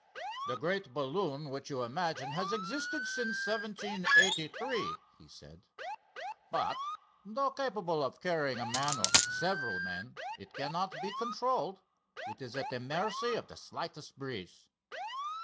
"The great balloon which you imagine has existed since 1783," he said; "but, though capable of carrying a man or several men, it cannot be controlled it is at the mercy of the slightest breeze.